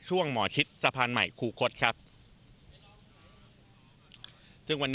ช่วงแบเรียร์ริ่งสมุดปากราน